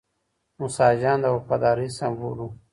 موسی جان د وفادارۍ سمبول و.